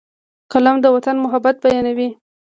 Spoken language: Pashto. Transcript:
قلم د وطن محبت بیانوي